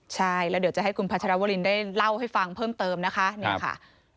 ใช่แล้วเดี๋ยวจะให้คุณพัชรวรินได้เล่าให้ฟังเพิ่มเติมนะคะนี่ค่ะ